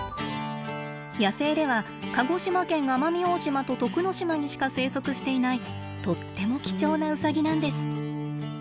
野生では鹿児島県奄美大島と徳之島にしか生息していないとっても貴重なウサギなんです。